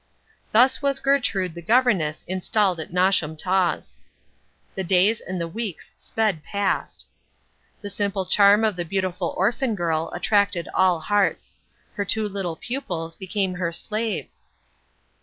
Thus was Gertrude the Governess installed at Nosham Taws. The days and the weeks sped past. The simple charm of the beautiful orphan girl attracted all hearts. Her two little pupils became her slaves.